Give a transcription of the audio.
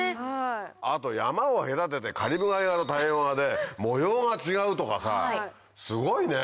あと山を隔ててカリブ海側と太平洋側で模様が違うとかすごいね。